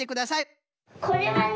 これはね